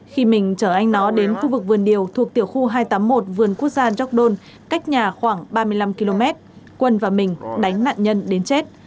khi mình chở anh nó đến khu vực vườn điều thuộc tiểu khu hai trăm tám mươi một vườn quốc gia gióc đôn cách nhà khoảng ba mươi năm km quân và mình đánh nạn nhân đến chết